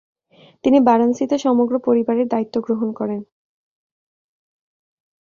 তিনি বারাণসীতে সমগ্র পরিবারের দায়িত্ব গ্রহণ করেন।